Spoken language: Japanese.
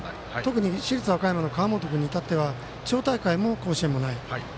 特に市立和歌山の川本君に至っては地方大会も甲子園もない。